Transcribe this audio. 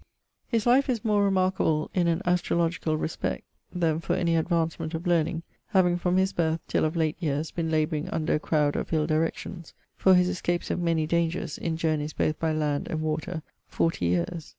His life is more remarqueable in an astrologicall respect[J] then for any advancement of learning[K], having from his birth (till of late yeares) been labouring under a crowd of ill directions: for his escapes of many dangers[L], in journeys both by land and water, 40 yeares.